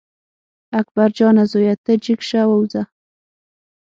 اکبر جانه زویه ته جګ شه ووځه.